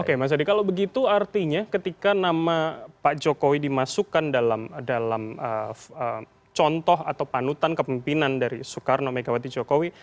oke mas adi kalau begitu artinya ketika nama pak jokowi dimasukkan dalam contoh atau panutan kepemimpinan dari soekarno megawati jokowi